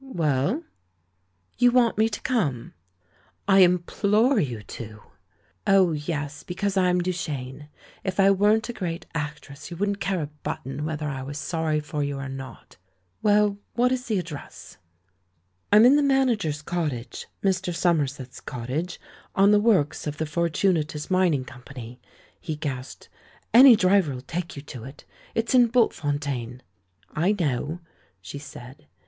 "Well?" "You want me to come?'* "I implore you to!" "Oh, yes, because I'm Duchene! If I weren't a great actress, you wouldn't care a button whether I was sorry for you or not. Well, what is the address?" "I'm in the manager's cottage — Mr. Somer set's cottage — on the works of the Fortunatus Mining Company," he gasped. "Any driver '11 take you to it; it's in Bultfontein." "I know," she said.